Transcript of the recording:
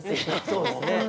そうですねぜひ！